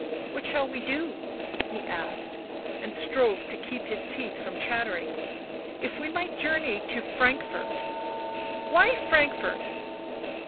" What shall we do?" he asked, and strove to keep his teeth from chattering. "If we might journey to Frankfort " "Why Frankfort?"